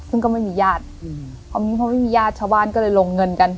ซึ่งก็ไม่มีญาติพอมีพอไม่มีญาติชาวบ้านก็เลยลงเงินกัน